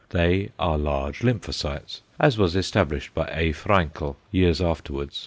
They are large lymphocytes, as was established by A. Fränkel years afterwards.